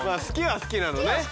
好きは好きなのね？